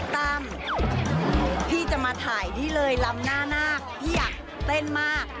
ตั้มพี่จะมาถ่ายนี่เลยลำหน้านาคพี่อยากเต้นมาก